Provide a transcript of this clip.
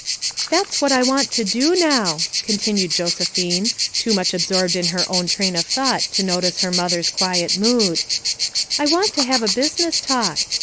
"That's what I want to do now," continued Josephine, too much absorbed in her own train of thought to notice her mother's quiet mood — "I want to have a business talk.